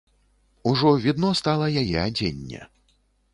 Ужо відно стала яе адзенне.